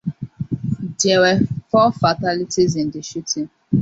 There were four fatalities in the shooting.